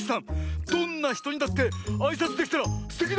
どんなひとにだってあいさつできたらすてきだよ！